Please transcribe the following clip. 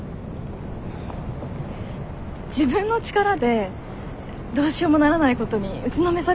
自分の力でどうしようもならないことに打ちのめされたことある？